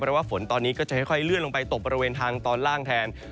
เพราะว่าฝนตอนนี้ก็จะค่อยเลื่อนลงไปตกบริเวณทางตอนล่างแทน